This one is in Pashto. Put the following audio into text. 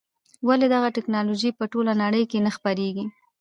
ولې دغه ټکنالوژي په ټوله نړۍ کې نه خپرېږي.